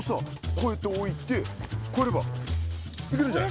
こうやって置いてこうやればいけるんじゃない？